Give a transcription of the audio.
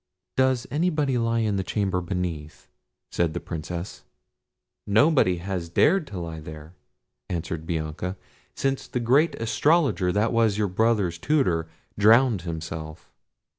"Does anybody lie in the chamber beneath?" said the Princess. "Nobody has dared to lie there," answered Bianca, "since the great astrologer, that was your brother's tutor, drowned himself.